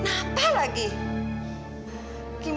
namun saya memilih ag clockwise